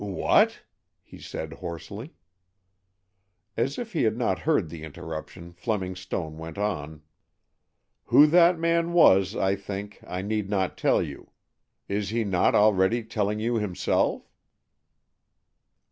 "What?" he said hoarsely. As if he had not heard the interruption, Fleming Stone went on: "Who that man was, I think I need not tell you. Is he not already telling you himself?"